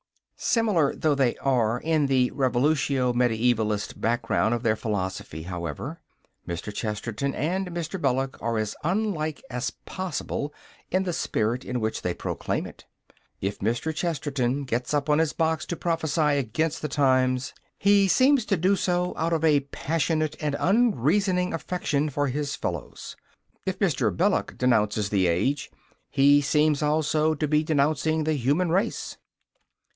Similar though they are in the revolutio mediaevalist background of their philosophy, however, Mr. Chesterton and Mr. Belloc are as unlike as possible in the spirit in which they proclaim it. If Mr. Chesterton gets up on his box to prophesy against the times, he seems to do so out of a passionate and unreasoning affection for his fellows. If Mr. Belloc denounces the age, he seems also to be denouncing the human race.